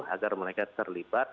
agar mereka terlibat